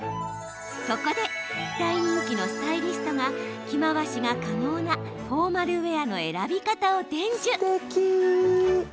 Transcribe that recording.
そこで大人気のスタイリストが着回しが可能なフォーマルウェアの選び方を伝授。